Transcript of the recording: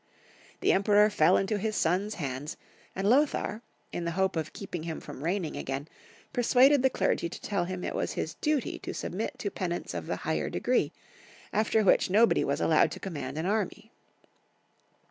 The Emperor fell into his sons' hands, and Lothar, in the hope of keeping him from reigning again, persuaded the clergy to tell him it was his duty to submit to penance of the higher degree, after which nobody was allowed to command an army.